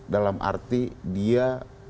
dalam arti dia